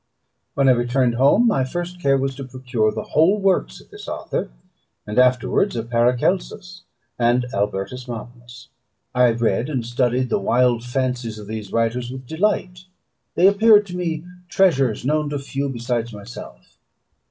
When I returned home, my first care was to procure the whole works of this author, and afterwards of Paracelsus and Albertus Magnus. I read and studied the wild fancies of these writers with delight; they appeared to me treasures known to few beside myself.